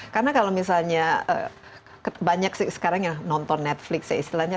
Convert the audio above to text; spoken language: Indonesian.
karena kalau misalnya banyak sekarang yang nonton netflix ya istilahnya